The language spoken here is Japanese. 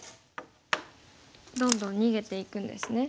どんどん逃げていくんですね。